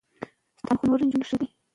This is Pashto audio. تعلیم تر ناپوهۍ غوره دی.